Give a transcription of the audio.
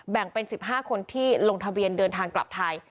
แบ่งเป็น๑๕คนที่ลงทะเบียนเดินทางกลับไทย